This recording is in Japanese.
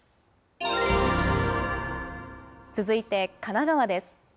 続いて神奈川です。